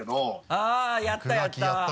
あぁやったやった。